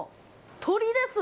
鶏です。